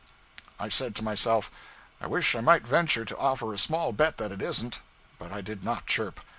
I said to myself, I wish I might venture to offer a small bet that it isn't. But I did not chirp.